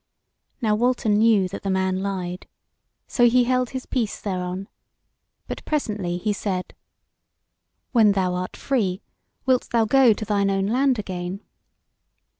Now Walter knew that the man lied, so he held his peace thereon; but presently he said: "When thou art free wilt thou go to thine own land again?"